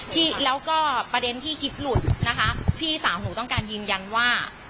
ที่แล้วก็ประเด็นที่คลิปหลุดนะคะพี่สาวหนูต้องการยืนยันว่า